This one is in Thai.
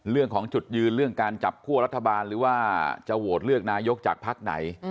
เรื่องของจุดยืนเรื่องการจับคั่วรัฐบาลหรือว่าจะโหวตเลือกนายกจากพักไหน